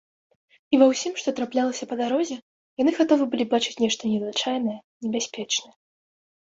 І ўва ўсім, што траплялася па дарозе, яны гатовы былі бачыць нешта незвычайнае, небяспечнае.